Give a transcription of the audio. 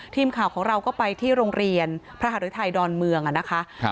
ทีมข่าวของเราก็ไปที่โรงเรียนพระหรือไทยดอนเมืองอ่ะนะคะครับ